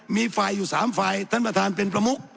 มีไฟล์อยู่๓ไฟล์